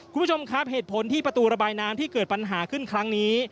คุณผู้ชมครับเหตุผลที่ประตูระบายน้ำที่เกิดปัญหาขึ้นครั้งนี้